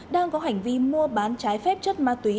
đang có hành vi mua bán trái phép chất ma túy